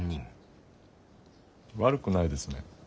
悪くないですね。